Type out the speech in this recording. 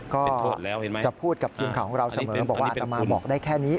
ก็จะพูดกับทีมข่าวของเราเสมอบอกว่าอัตมาบอกได้แค่นี้